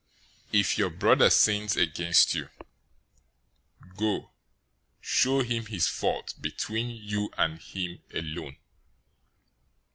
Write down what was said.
018:015 "If your brother sins against you, go, show him his fault between you and him alone.